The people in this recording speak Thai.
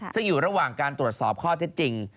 ซึ่งอยู่ระหว่างการตรวจสอบข้อเท็จจริง